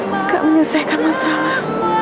enggak menyelesaikan masalah